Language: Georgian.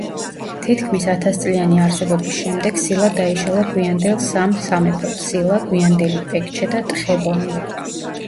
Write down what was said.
თითქმის ათასწლიანი არსებობის შემდეგ სილა დაიშალა გვიანდელ სამ სამეფოდ: სილა, გვიანდელი პექჩე და ტხებონი.